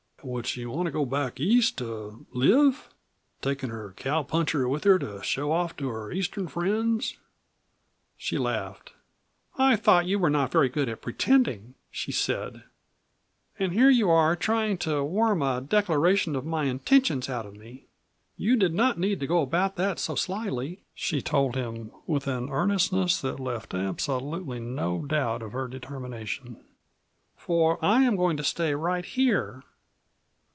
Would she want to go back East to live takin' her cowpuncher with her to show off to her Eastern friends?" She laughed. "I thought you were not very good at pretending," she said, "and here you are trying to worm a declaration of my intentions out of me. You did not need to go about that so slyly," she told him, with an earnestness that left absolutely no doubt of her determination, "for I am going to stay right here.